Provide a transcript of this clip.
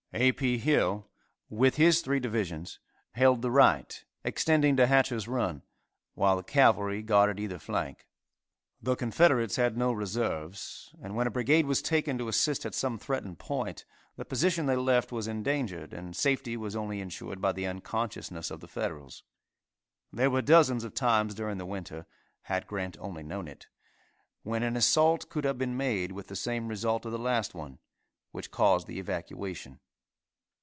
A. P. Hill, with his three divisions, held the right, extending to Hatcher's run, while the cavalry guarded either flank. The Confederates had no reserves, and when a brigade was taken to assist at some threatened point, the position they left was endangered, and safety was only insured by the unconsciousness of the Federals. There were dozens of times during the winter, had Grant only known it, when an assault could have been made with the same result of the last one, which caused the evacuation.